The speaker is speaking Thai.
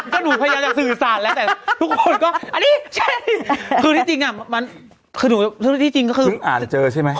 ก็หนูพยายามจะสื่อสั่นแล้วแต่ทุกคนก็อันนี้ใช่คือที่จริงอะคือหนูเธอเคยอ่านเจอใช่มั้ย